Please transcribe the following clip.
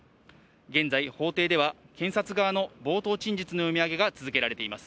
現在、法廷では検察側の冒頭陳述の読み上げが続けられています。